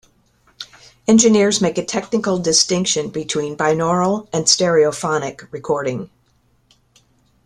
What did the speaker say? Engineers make a technical distinction between "binaural" and "stereophonic" recording.